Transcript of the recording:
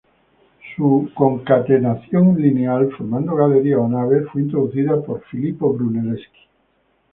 Su concatenación lineal formando galerías o naves fue introducida por Filippo Brunelleschi.